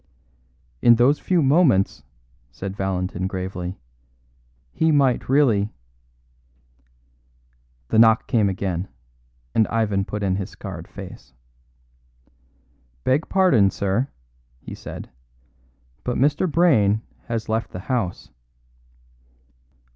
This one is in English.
"In those few moments," said Valentin gravely, "he might really " The knock came again, and Ivan put in his scarred face. "Beg pardon, sir," he said, "but Mr. Brayne has left the house."